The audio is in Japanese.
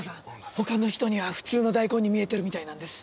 他の人には普通の大根に見えてるみたいなんです